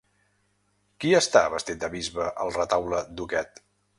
Qui està vestit de bisbe al retaule d'Huguet?